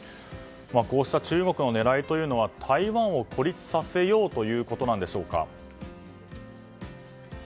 こうした中国の狙いは台湾を孤立させようということなんでしょうか。